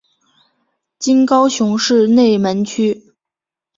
今高雄市内门区。